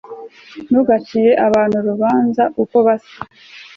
ntugacire abantu urubanza uko basa